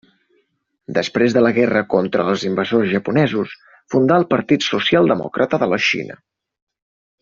Després de la guerra contra els invasors japonesos fundà el Partit Socialdemòcrata de la Xina.